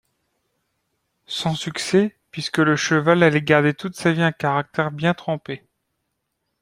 Sans succès, puisque le cheval allait garder toute sa vie un caractère bien trempé.